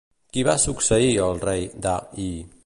Qui va succeir el Rei Da Yi?